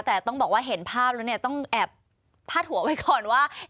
แต่ต้องบอกว่าเห็นภาพแล้วเนี่ยต้องแอบพาดหัวไว้ก่อนว่า